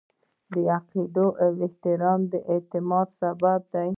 د عقایدو احترام د اعتماد سبب دی.